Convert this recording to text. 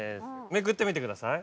めくってみてください。